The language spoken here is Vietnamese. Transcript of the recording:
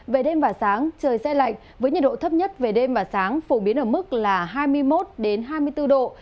về đêm và sáng trời sẽ lạnh với nhiệt độ thấp nhất về đêm và sáng phổ biến ở mức hai mươi một đến hai mươi bốn độ